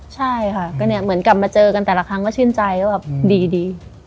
ใช่ค่ะก็เนี่ยเหมือนกลับมาเจอกันแต่ละครั้งก็ชื่นใจว่าแบบดี